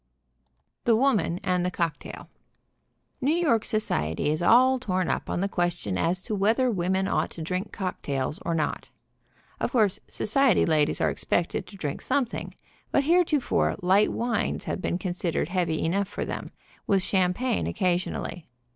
THE WOMAN AND THE COCKTAIL. New York society is all torn up on the question as to whether women ought to drink cocktails or not. Of course, society ladies are expected to drink some thing, but heretofore light wines have been considered heavy enough for them, with champagne occasionally.